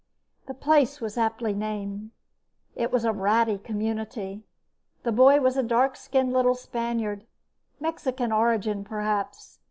The place was aptly named. It was a ratty community. The boy was a dark skinned little Spaniard of Mexican origin, perhaps.